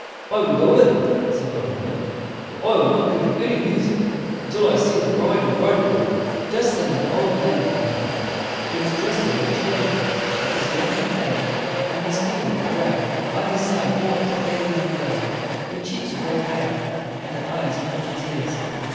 "I will go in," said Robin Hood; "but I will not give you any music until I see the bride and bridegroom." Just then an old man came in. He was dressed in rich clothing, but was bent with age, and was feeble and gray. By his side walked a fair young girl. Her cheeks were very pale, and her eyes were full of tears.